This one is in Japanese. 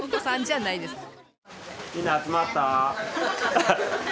みんな集まった？